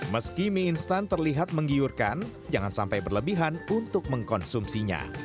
meski mie instan terlihat menggiurkan jangan sampai berlebihan untuk mengkonsumsinya